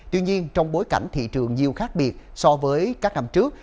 tuy nhiên trong bối cảnh thị trường nhiều khác biệt so với các năm trước